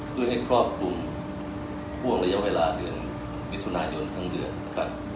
เพื่อให้ครอบคลุมห่วงห่วงระยะเวลาเดือนมิถุนายนทั้งเดือนนะครับ